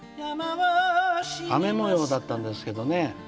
雨もようだったんですけどね